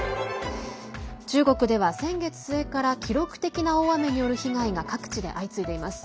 中国では先月末から記録的な大雨による被害が各地で相次いでいます。